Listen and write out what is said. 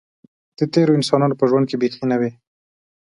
د تېرو انسانانو په ژوند کې بیخي نه وې.